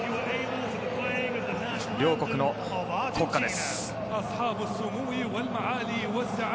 両国の国歌です。